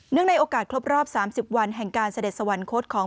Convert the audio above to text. ในโอกาสครบรอบ๓๐วันแห่งการเสด็จสวรรคตของ